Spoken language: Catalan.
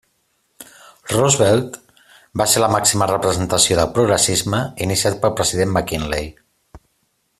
Roosevelt va ser la màxima representació del progressisme iniciat pel president McKinley.